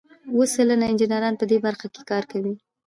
اوه سلنه انجینران په دې برخه کې کار کوي.